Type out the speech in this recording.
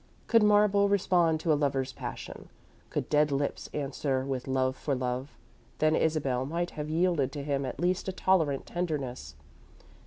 Could marble respond to a lover's passion, could dead lips answer with love for love, then Isabel might have yielded to him at least a tolerant tenderness.